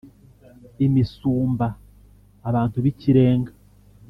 imisumba: abantu b’ikirenga